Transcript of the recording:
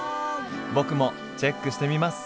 僕もチェックしてみます！